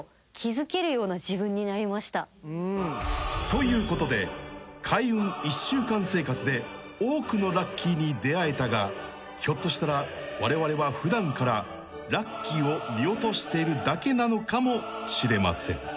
［ということで開運１週間生活で多くのラッキーに出合えたがひょっとしたらわれわれは普段からラッキーを見落としてるだけなのかもしれません］